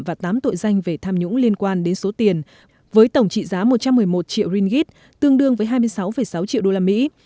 và tám tội danh về tham nhũng liên quan đến số tiền với tổng trị giá một trăm một mươi một triệu ringgit tương đương với hai mươi sáu sáu triệu đô la mỹ